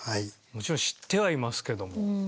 もちろん知ってはいますけども。